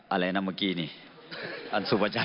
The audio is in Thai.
อะไรน่ะเมื่อกี้นี่ของพี่สุมบัชชัย